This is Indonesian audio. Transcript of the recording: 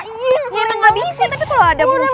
iya emang gak bisa tapi kalau ada musuh